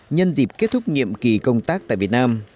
nhân dịp kết thúc nhiệm kỳ công tác tại việt nam